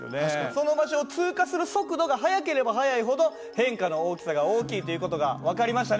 その場所を通過する速度が速ければ速いほど変化の大きさが大きいという事が分かりましたね？